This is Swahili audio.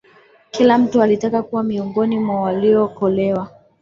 kila mtu alitaka kuwa miongoni mwa waliokolewa